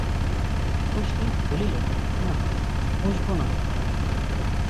শশী বলিল, না, বসব না।